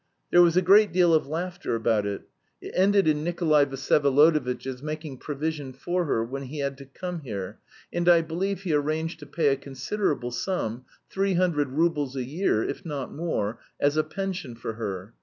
There was a great deal of laughter about it. It ended in Nikolay Vsyevolodovitch's making provision for her when he had to come here, and I believe he arranged to pay a considerable sum, three hundred roubles a year, if not more, as a pension for her.